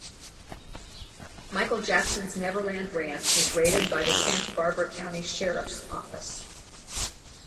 Michael Jackson's Neverland Ranch was raided by the Santa Barbara County Sheriff's Office.